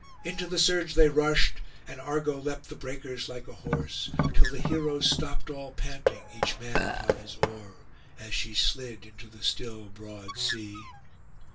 Into the surge they rushed, and Argo leapt the breakers like a horse, till the heroes stopped all panting, each man upon his oar, as she slid into the still broad sea.